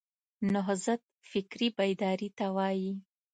نهضت فکري بیداري ته وایي.